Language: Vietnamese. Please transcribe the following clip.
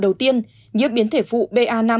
đầu tiên nhiễm biến thể phụ ba năm